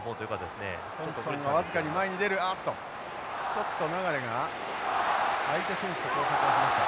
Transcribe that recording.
ちょっと流が相手選手と交錯をしました。